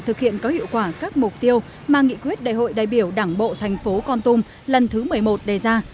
thực hiện có hiệu quả các mục tiêu mà nghị quyết đại hội đại biểu đảng bộ thành phố con tum lần thứ một mươi một đề ra